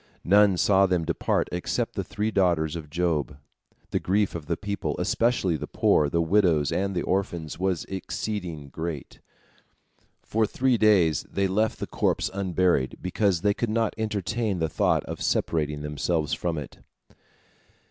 None saw them depart except the three daughters of Job. The grief of the people, especially the poor, the widows, and the orphans, was exceeding great. For three days they left the corpse unburied, because they could not entertain the thought of separating themselves from it.